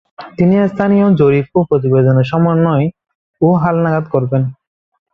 তিনি স্থানীয় জরিপ ও প্রতিবেদনের সমন্বয় ও হাল-নাগাদ করবেন।